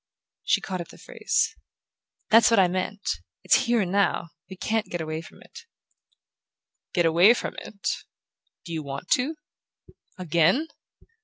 She caught at the phrase. "That's what I meant: it's here and now; we can't get away from it." "Get away from it? Do you want to? AGAIN?"